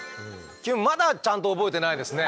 キュンまだちゃんと覚えてないですね。